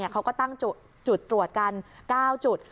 เขาก็ตั้งจุดตรวจกัน๙จุด